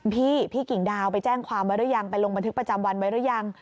พี่พี่กิ่งดาวไปแจ้งความไว้หรือยังไปลงบันทึกประจำวันไว้หรือยัง